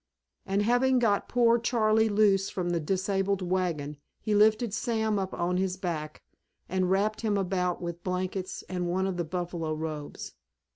And having got poor Charley loose from the disabled wagon he lifted Sam up on his back, and wrapped him about with blankets and one of the buffalo robes.